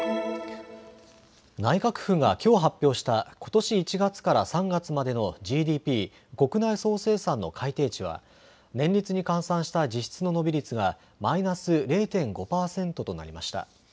内閣府がきょう発表したことし１月から３月までのＧＤＰ・国内総生産の改定値は年率に換算した実質の伸び率がマイナス０．５％となりました。